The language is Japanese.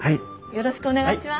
よろしくお願いします。